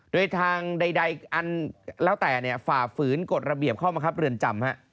โดยทางใดอันแล้วแต่ฝ่าฝืนกฎระเบียบข้อมังคับเรือนจำ